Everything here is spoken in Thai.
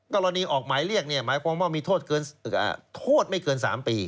กรณีออกหมายเรียกหมายความว่ามีโทษไม่เกิน๓ปี